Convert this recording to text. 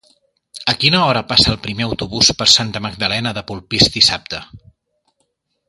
A quina hora passa el primer autobús per Santa Magdalena de Polpís dissabte?